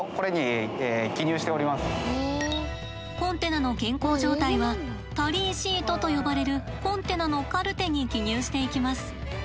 コンテナの健康状態はタリーシートと呼ばれるコンテナのカルテに記入していきます。